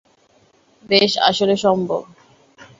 বেশ, আসলে, সম্ভব।